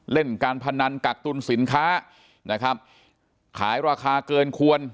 เล่นการพนันกักตุลสินค้านะครับขายราคาเกินควร